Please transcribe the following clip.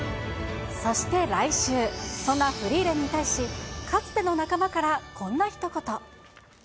そして来週、そんなフリーレンに対し、かつての仲間からこんなひと言。